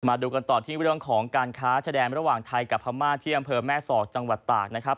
มาดูกันต่อที่เรื่องของการค้าชะแดนระหว่างไทยกับพม่าที่อำเภอแม่สอดจังหวัดตากนะครับ